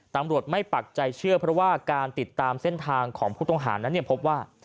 ตำรวจไม่ปักใจเชื่อเพราะว่าการติดตามเส้นทางของผู้ต้องหานั้นพบว่า